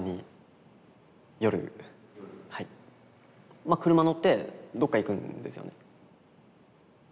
まあ車乗ってどっか行くんですよね。